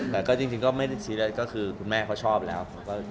แต่ก็จริงไม่ได้ซีเรียสคุณแม่เค้าชอบแล้ว